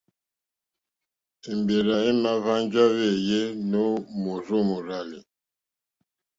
Èmbèrzà èmà hwánjá wéèyé nǒ mòrzó mòrzàlì.